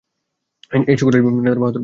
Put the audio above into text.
এসো কুরাইশ নেতার বাহাদুর পুত্র।